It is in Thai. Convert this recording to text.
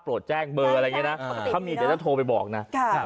แจ้งเบอร์อะไรอย่างนี้นะถ้ามีเดี๋ยวจะโทรไปบอกนะ